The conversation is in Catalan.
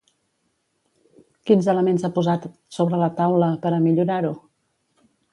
Quins elements ha posat sobre la taula per a millorar-ho?